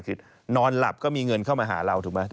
คือนอนหลับก็มีเงินเข้ามาหาเราถูกไหม